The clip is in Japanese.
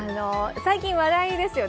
最近、話題ですよね。